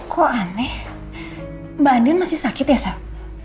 kok aneh mbak adian masih sakit ya sam